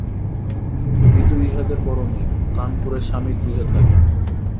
বিধু ইঁহাদের বড়ো মেয়ে, কানপুরে স্বামিগৃহে থাকে।